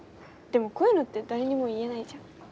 でもこういうのって誰にも言えないじゃん？